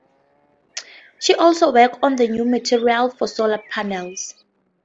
She also worked on new materials for solar panels.